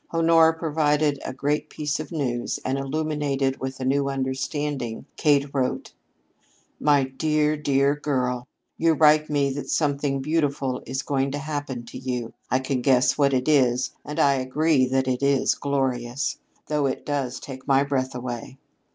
Honora provided a great piece of news, and illuminated with a new understanding, Kate wrote: "MY DEAR, DEAR GIRL: "You write me that something beautiful is going to happen to you. I can guess what it is and I agree that it is glorious, though it does take my breath away.